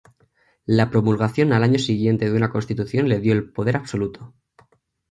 La promulgación al año siguiente de una constitución le dio el poder absoluto.